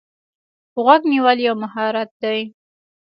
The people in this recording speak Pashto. غوږ نیول یو مهارت دی.